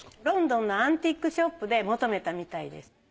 ロンドンのアンティークショップで求めたみたいです。